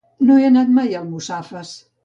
No he anat mai a Almussafes.